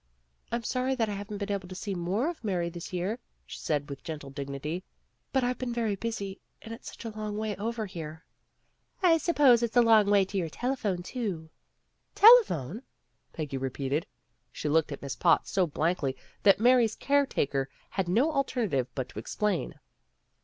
"I'm sorry that I haven't been able to see more of Mary this last year," she said with gentle dignity, "but I've been very busy, and it's such a long way over here." "I s'pose it's a long way to your telephone, too." "Telephone!" Peggy repeated. She looked at Miss Potts so blankly that Mary's care taker had no alternative but to explain.